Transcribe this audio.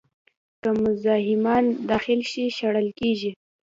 که مزاحمان داخل شي، شړل کېږي.